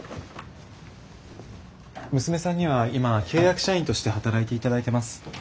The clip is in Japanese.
娘さんには今契約社員として働いて頂いてます。